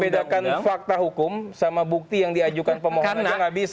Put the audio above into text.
bedakan fakta hukum sama bukti yang diajukan pemohon juga nggak bisa